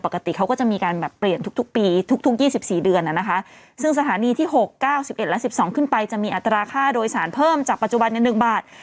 ปกติเขาก็จะมีการแบบเปลี่ยนทุกทุกปีทุกทุกยี่สิบสี่เดือนน่ะนะคะซึ่งสถานีที่หกเก้าสิบเอ็ดและสิบสองขึ้นไปจะมีอัตราค่าโดยสารเพิ่มจากปัจจุบันในหนึ่งบาท